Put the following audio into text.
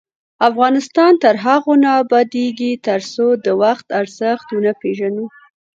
افغانستان تر هغو نه ابادیږي، ترڅو د وخت ارزښت ونه پیژنو.